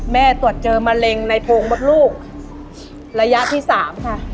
แม่ตรวจเจอมะเร็งในโทงบทลูกระยะที่๓ค่ะ